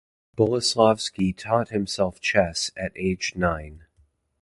Boleslavsky taught himself chess at age nine.